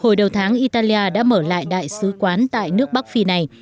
hồi đầu tháng italia đã mở lại đại sứ quán tại nước bắc phi này